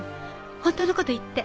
本当のこと言って。